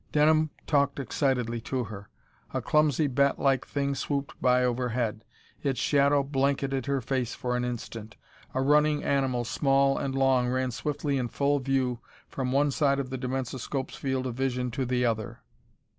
Denham talked excitedly to her. A clumsy batlike thing swooped by overhead. Its shadow blanketed her face for an instant. A running animal, small and long, ran swiftly in full view from one side of the dimensoscope's field of vision to the other.